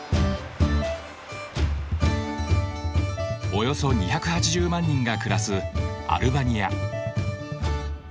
およそ２８０万人が暮らすアルバニア。